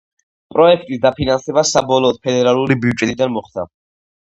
პროექტის დაფინანსება საბოლოოდ ფედერალური ბიუჯეტიდან მოხდა.